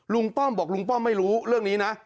ป้อมบอกลุงป้อมไม่รู้เรื่องนี้นะ